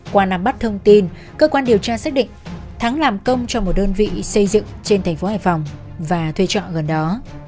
qua nắm bắt thông tin cơ quan điều tra xác định thắng làm công cho một đơn vị xây dựng trên thành phố hải phòng và thuê trọ gần đó